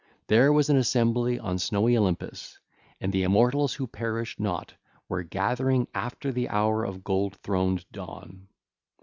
There was an assembly on snowy Olympus, and the immortals who perish not were gathering after the hour of gold throned Dawn.